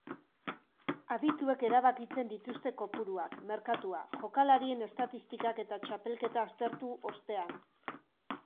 Adituek erabakitzen dituzte kopuruak, merkatua, jokalarien estatistikak eta txapelketa aztertu ostean.